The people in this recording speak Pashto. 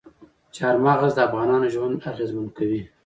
چار مغز د افغانانو ژوند اغېزمن کوي.